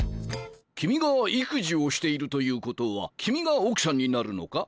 君が育児をしているということは君が奥さんになるのか？